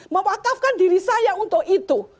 mewakafkan diri saya untuk itu